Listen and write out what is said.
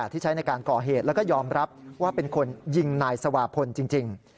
ที่ใช้ในการก่อเหตุแล้วก็ยอมรับว่าเป็นคนยิงนายสวาพลจริง